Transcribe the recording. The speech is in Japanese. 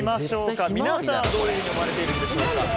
皆さんはどういうふうに思われているんでしょうか。